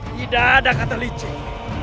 tidak ada kata licik